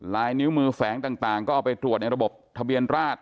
ลายนิ้วมือแฝงต่างก็เอาไปตรวจในระบบทะเบียนราช